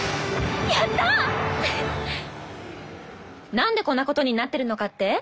なんでこんなことになってるのかって？